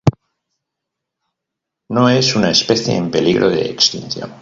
No es una especie en peligro de extinción.